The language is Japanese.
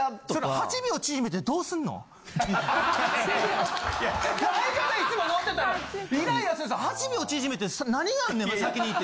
８秒縮めて何があんねん先にって。